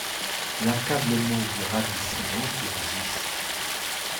L’accablement du ravissement existe.